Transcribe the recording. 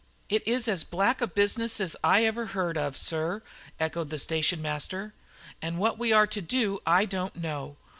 "It is as black a business as I ever heard of, sir," echoed the station master; "and what we are to do I don't know.